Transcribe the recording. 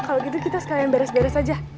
kalo gitu kita sekalian beres beres aja